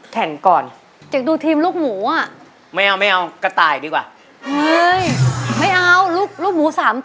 เขาดูนิ่งได้ไหม